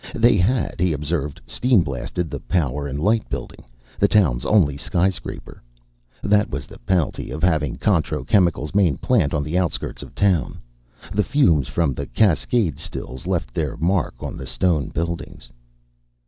They had, he observed, steam blasted the Power & Light Building, the town's only skyscraper that was the penalty of having Contro Chemical's main plant on the outskirts of town; the fumes from the cascade stills left their mark on stone buildings.